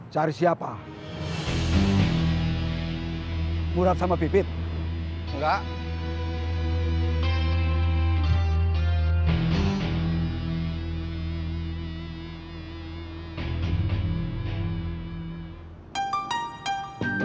tidak ada pintu j termin